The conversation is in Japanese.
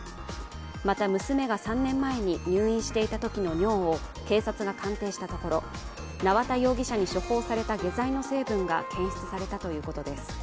また、娘が３年前に入院していたときの尿を警察が鑑定したところ縄田容疑者に処方された下剤の成分が検出されたということです。